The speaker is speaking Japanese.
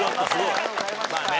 まあね。